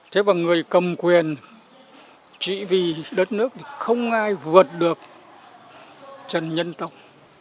thế bằng người cầm quyền chỉ vì đất nước thì không ai vượt được trần nhân tộc